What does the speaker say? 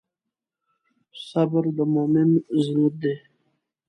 صبر د مؤمن زینت دی.